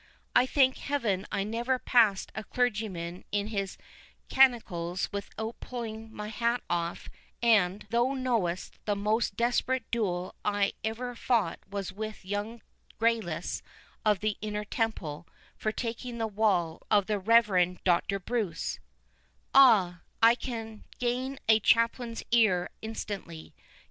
I thank Heaven I never passed a clergyman in his canonicals without pulling my hat off—(and thou knowest, the most desperate duel I ever fought was with young Grayless of the Inner Temple, for taking the wall of the Reverend Dr. Bunce)—Ah, I can gain a chaplain's ear instantly.